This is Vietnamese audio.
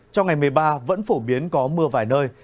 trong ngày một mươi ba vẫn phổ biến có mưa vài nơi